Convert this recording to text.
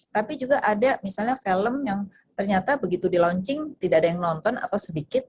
tapi juga ada misalnya film yang ternyata begitu di launching tidak ada yang nonton atau sedikit